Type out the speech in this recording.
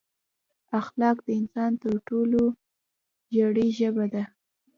اخلاق د انسان تر ټولو زړې ژبې ده.